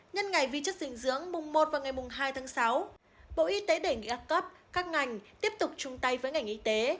nhân ngày vi chất dinh dưỡng mùng một và ngày mùng hai tháng sáu bộ y tế đề nghị các cấp các ngành tiếp tục chung tay với ngành y tế